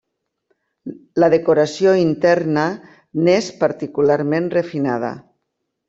La decoració interna n'és particularment refinada.